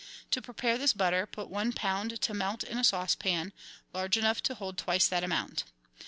To prepare this butter, put one lb. to melt in a saucepan large enough to hold twice that amount.